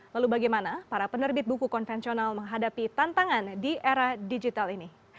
lalu bagaimana para penerbit buku konvensional menghadapi tantangan di era digital ini